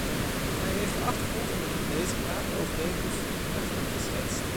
Zij heeft de achtergrond van deze kaderovereenkomst voortreffelijk geschetst.